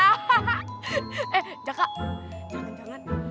eh jaka jangan jangan